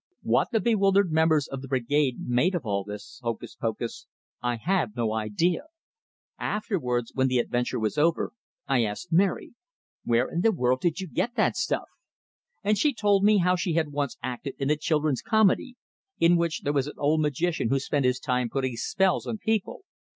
What the bewildered members of the Brigade made of all this hocus pocus I had no idea. Afterwards, when the adventure was over, I asked Mary, "Where in the world did you get that stuff?" And she told me how she had once acted in a children's comedy, in which there was an old magician who spent his time putting spells on people.